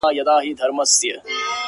ناځواني